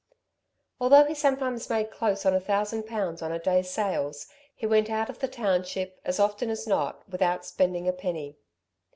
Although he sometimes made close on a thousand pounds on a day's sales, he went out of the township, as often as not, without spending a penny.